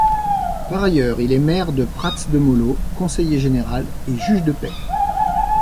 Par ailleurs, il est maire de Prats-de-Mollo, conseiller général et juge de paix.